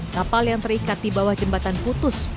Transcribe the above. kapal yang terikat di bawah jembatan putus